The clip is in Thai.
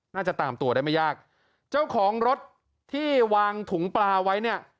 น่าจะตามตัวได้ไม่ยากเจ้าของรถที่วางถุงปลาไว้เนี่ย